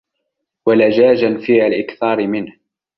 وَلَجَاجًا فِي الْإِكْثَارِ مِنْهُ